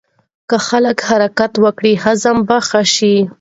که خلک حرکت وکړي هاضمه به ښه شي.